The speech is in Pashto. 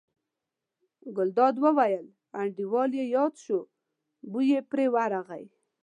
ګلداد وویل: انډیوال یې یاد شو، بوی یې پرې ورغی.